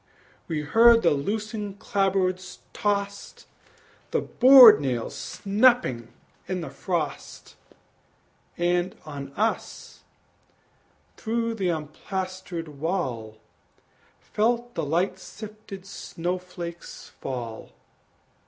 We heard the loosened clapboards tost, The board nails snapping in the frost; And on us, through the unplastered wall, Felt the light sifted snow flakes fall.